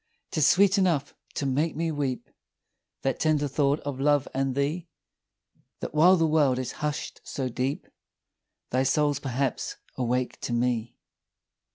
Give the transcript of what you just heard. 'Tis sweet enough to make me weep, That tender thought of love and thee, That while the world is hush'd so deep, Thy soul's perhaps awake to me!